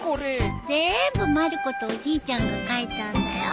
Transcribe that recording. ぜんぶまる子とおじいちゃんが書いたんだよ。